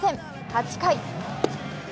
８回。